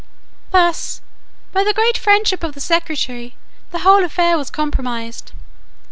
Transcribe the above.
"Thus, by the great friendship of the secretary, the whole affair was compromised.